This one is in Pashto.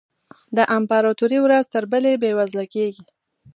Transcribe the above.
د امپراتوري ورځ تر بلې بېوزله کېږي.